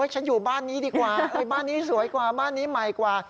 ฉันอยู่บ้านนี้ดีกว่าบ้านนี้สวยกว่าบ้านนี้ใหม่กว่า